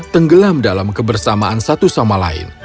tenggelam dalam kebersamaan satu sama lain